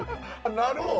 なるほど。